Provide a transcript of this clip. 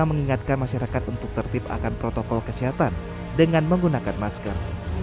mengingatkan masyarakat untuk tertip akan protokol kesehatan dengan menggunakan masker